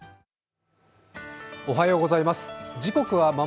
おはようございます。